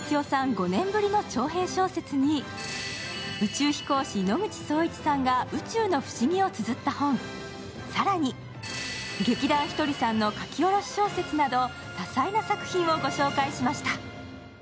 ５年ぶりの長編小説に、宇宙飛行士、野口聡一さんが宇宙の不思議をつづった本、更に、劇団ひとりさんの書き下ろし小説など多彩な作品をご紹介しました。